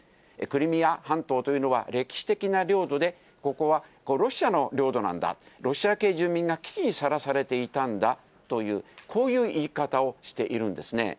クリミア半島というのは歴史的な領土で、ここはロシアの領土なんだ、ロシア系住民が危機にさらされていたんだという、こういう言い方をしているんですね。